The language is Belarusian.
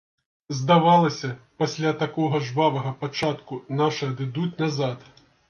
Здавалася, пасля такога жвавага пачатку нашы адыдуць назад.